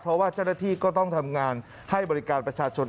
เพราะว่าเจ้าหน้าที่ก็ต้องทำงานให้บริการประชาชน